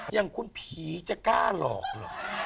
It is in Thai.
อย่างคุณผีจะกล้าหลอกเหรอ